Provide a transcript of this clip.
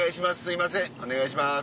お願いします